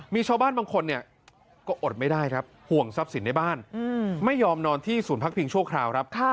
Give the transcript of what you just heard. มีชาวบ้านบางคนเนี่ยก็อดไม่ได้ครับห่วงทรัพย์สินในบ้านไม่ยอมนอนที่ศูนย์พักพิงชั่วคราวครับ